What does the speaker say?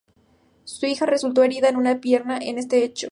Su hija resultó herida en una pierna en ese hecho.